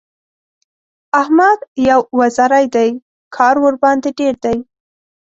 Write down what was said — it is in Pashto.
احمد يو وزری دی؛ کار ورباندې ډېر دی.